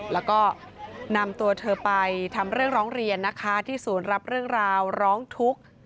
แล้วก็นำตัวเธอไปทำเรื่องร้องเรียนนะคะที่ศูนย์รับเรื่องราวร้องทุกข์